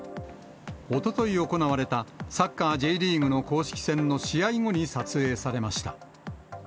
おととい行われた、サッカーＪリーグの公式戦の試合後に撮影されました。